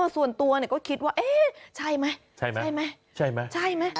ส่วนตัวเนี่ยก็คิดว่าเอ๊ะใช่ไหมใช่ไหมใช่ไหม